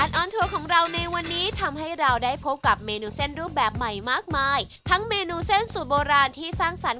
อร่อยครับวันนี้ต้องขอบคุณพี่เบนท์มากเลยนะครับ